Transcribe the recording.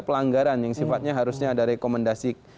pelanggaran yang sifatnya harusnya ada rekomendasi